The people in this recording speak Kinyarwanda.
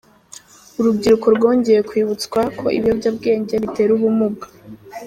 Urubyiruko rwongeye kwibutswa ko ibiyobyabwenge bitera ubumuga